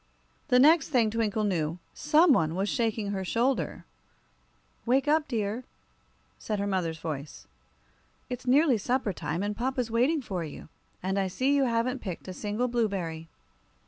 The next thing Twinkle knew, some one was shaking her shoulder. "Wake up, dear," said her mother's voice. "It's nearly supper time, and papa's waiting for you. And I see you haven't picked a single blueberry."